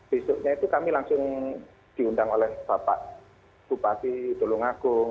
besoknya itu kami langsung diundang oleh bapak bupati tulungagung